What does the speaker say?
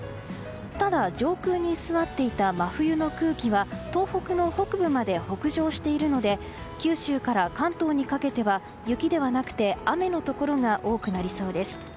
ただ、上空に居座っていた真冬の空気は東北の北部まで北上しているので九州から関東にかけては雪ではなくて雨のところが多くなりそうです。